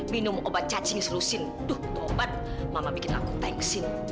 minum obat cacing selusin duh tobat mama bikin aku tengsin